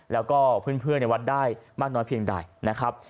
แล้วก็เพื่อนในวัดได้มากน้อยเพียงใดนะครับ